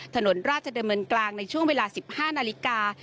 ถนนราชดำเนินกลางในช่วงเวลา๑๕นาฬิกา